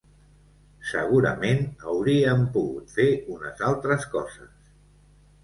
Segurament hauríem pogut fer unes altres coses.